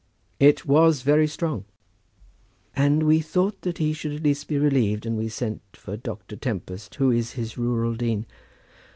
"It was very strong." "And we thought that he should at least be relieved, and we sent for Dr. Tempest, who is his rural dean."